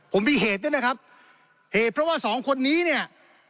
ผมมีเหตุด้วยนะครับเหตุเพราะว่าสองคนนี้เนี่ย